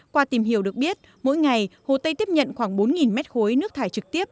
qua tìm hiểu được biết mỗi ngày hồ tây tiếp nhận khoảng bốn mét khối nước thải trực tiếp